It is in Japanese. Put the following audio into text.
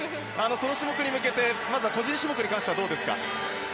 その種目に向けてまずは個人種目に関してはどうですか？